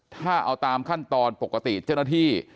ถ้าเอาตามขั้นตอนปกติเจ้าหน้าที่